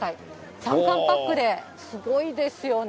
３缶パックで、すごいですよね。